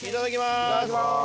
いただきます！